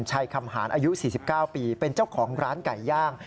คำหารอายุ๔๙ปีเป็นเจ้าของร้านไก่ย่าง